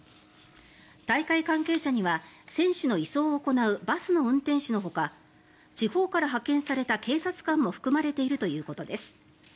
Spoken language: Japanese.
大会関係者には選手の移送を行うバスの運転手のほか地方から派遣された警察官も含まれているということです。